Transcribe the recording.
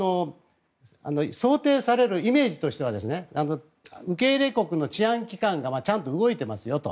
想定されるイメージとしては受け入れ国の治安機関がちゃんと動いてますよと。